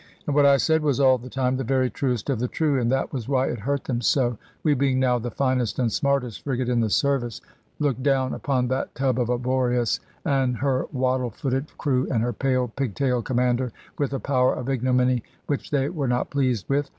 And what I said was all the time the very truest of the true; and that was why it hurt them so. We being now the finest and smartest frigate in the service, looked down upon that tub of a Boreas, and her waddle footed crew, and her pale, pig tailed commander, with a power of ignominy which they were not pleased with.